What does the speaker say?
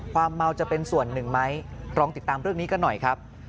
ความเมาจะเป็นส่วนหนึ่งไหมลองติดตามเรื่องนี้กันหน่อยครับ